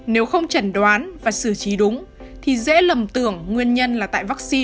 nếu không trần đoán và xử trí đúng thì dễ lầm tưởng nguyên nhân là tại vaccine